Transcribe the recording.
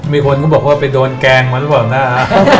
มีคนก็บอกว่าไปโดนแกงมาแล้วบอกหน้า